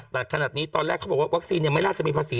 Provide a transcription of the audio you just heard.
แต่ขนาดนี้ตอนแรกเขาบอกว่าวัคซีนยังไม่น่าจะมีภาษี